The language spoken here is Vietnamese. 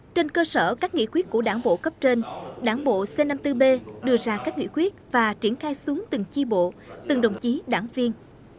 trên cơ sở các nghị quyết của đảng bộ cấp trên đảng bộ c năm mươi bốn b đưa ra các nghị quyết và triển khai xuống từng chi bộ từng đồng chí đảng viên